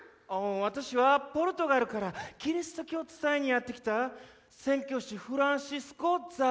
私はポルトガルからキリスト教を伝えにやって来た宣教師フランシスコ・ザビエルです。